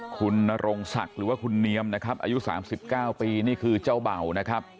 คุณนรงศักดิ์หรือว่าคุณเนียมนะครับอายุ๓๙ปีนี่คือเจ้าเบ่านะครับ